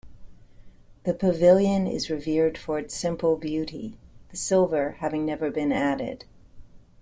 The Pavilion is revered for its simple beauty, the silver having never been added.